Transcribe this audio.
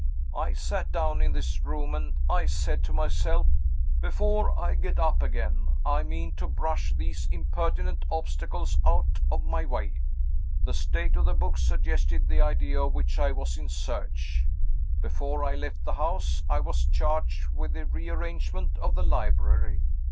I sat down in this room, and I said to myself, 'Before I get up again, I mean to brush these impertinent obstacles out of my way!' The state of the books suggested the idea of which I was in search. Before I left the house, I was charged with the rearrangement of the library.